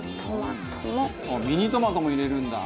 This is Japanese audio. ミニトマトも入れるんだ。